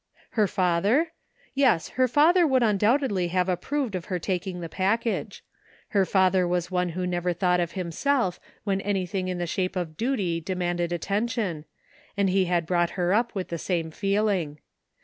Her father? Yes, her father would undoubtedly have approved of her taking the package. Her father was one who never thought of himself when anything in the shape of duty demanded attention, and he had brought her up with the same feeling.